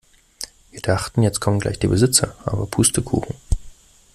Wir dachten, jetzt kommen gleich die Besitzer, aber Pustekuchen.